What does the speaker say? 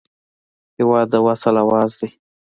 هېواد د وصل اواز دی.